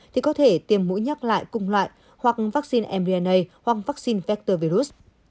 thì có thể tiêm mũi nhắc lại cùng loại hoặc vắc xin mrna hoặc vắc xin vector virus